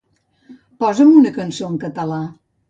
Posa'm una cançó en català